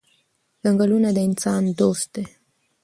ځنګلونه د انسان دوست دي.